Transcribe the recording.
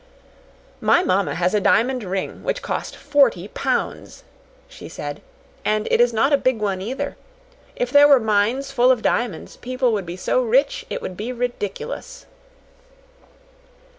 "My mamma has a diamond ring which cost forty pounds," she said. "And it is not a big one, either. If there were mines full of diamonds, people would be so rich it would be ridiculous."